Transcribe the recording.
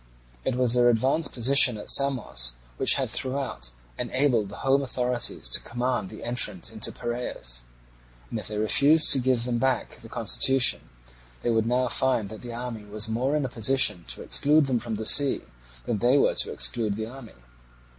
It was their advanced position at Samos which had throughout enabled the home authorities to command the entrance into Piraeus; and if they refused to give them back the constitution, they would now find that the army was more in a position to exclude them from the sea than they were to exclude the army.